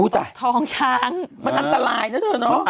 ท้องช้างมันอันตรายนะเธอเนาะ